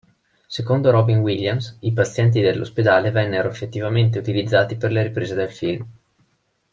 Secondo Robin Williams, i pazienti dell'ospedale vennero effettivamente utilizzati per le riprese del film.